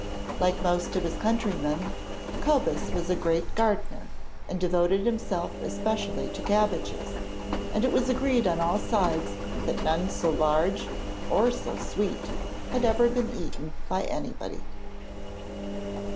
Like most of his countrymen, Cobus was a great gardener, and devoted himself especially to cabbages, and it was agreed on all sides that none so large or so sweet had ever been eaten by anybody.